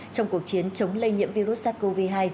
trong cuộc chiến chống lây nhiễm virus sars cov hai